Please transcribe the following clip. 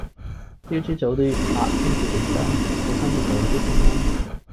朝朝早都要拍先至起身，好心你早啲瞓啦